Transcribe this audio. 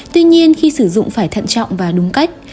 tuy nhiên khi sử dụng phải thận trọng và đúng cách